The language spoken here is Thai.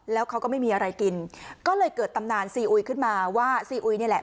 แล้วเขาก็ไม่มีอะไรกินก็เลยเกิดตำนานซีอุยขึ้นมาว่าซีอุยนี่แหละ